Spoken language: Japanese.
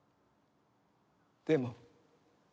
でも。